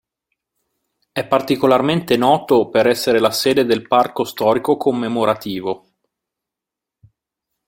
È particolarmente noto per essere la sede del Parco storico commemorativo.